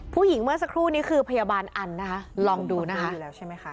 ผู้หญิงเมื่อสักครู่นี้คือพยาบาลอันลองดูนะฮะ